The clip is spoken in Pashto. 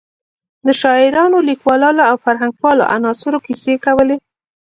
د شاعرانو، لیکوالو او فرهنګپالو عناصرو کیسې کولې.